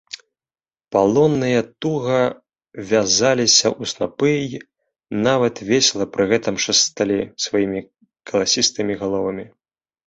Палонныя туга вязаліся ў снапы й нават весела пры гэтым шасталі сваімі каласістымі галовамі.